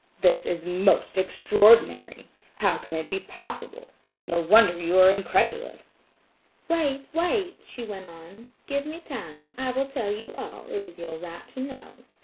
"This is most extraordinary! How can it be possible?" No wonder you are incredulous. "Wait, wait!" she went on, "give me time. I will tell you all; it is your right to know.